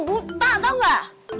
buta tau nggak